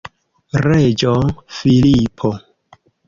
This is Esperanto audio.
Reĝo Filipo.